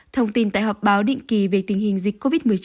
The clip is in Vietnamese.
thông tin tại họp báo định kỳ về tình hình dịch covid một mươi chín